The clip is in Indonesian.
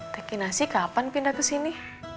tekinasi kapan pindah ke sini